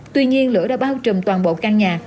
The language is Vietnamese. tuy nhiên lửa đã bao trùm toàn bộ căn nhà